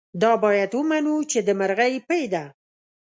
دا باید ومنو چې د مرغۍ پۍ ده.